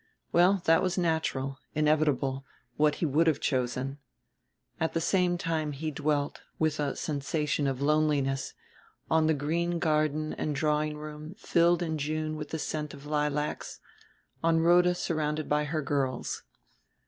Well, that was natural, inevitable, what he would have chosen. At the same time he dwelt, with a sensation of loneliness, on the green garden and drawing room filled in June with the scent of lilacs, on Rhoda surrounded by her girls.